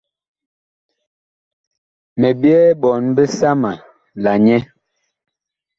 Mi byɛɛ ɓɔɔn bisama la nyɛ.